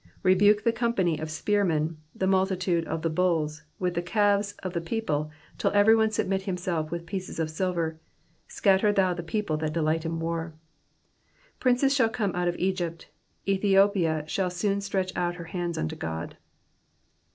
30 Rebuke the company of spearmen, the multitude of the bulls, with the calves of the people, //// every one submit himself with pieces of silver : scatter thou the people that delight in war. 31 Princes shall come out of Egypt ; Ethiopia shall soon stretch out her hands unto God.